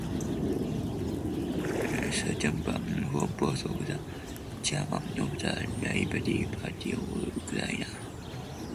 Scherban from post of the Chairman of the Liberty Party of Ukraine.